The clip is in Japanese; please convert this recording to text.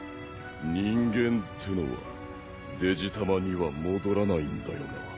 人間ってのはデジタマには戻らないんだよな。